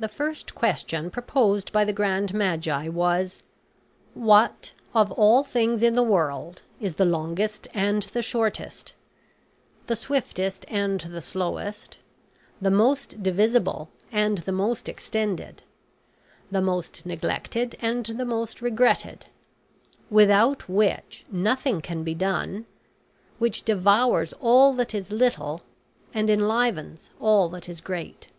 The first question proposed by the grand magi was: "What, of all things in the world, is the longest and the shortest, the swiftest and the slowest, the most divisible and the most extended, the most neglected and the most regretted, without which nothing can be done, which devours all that is little, and enlivens all that is great?"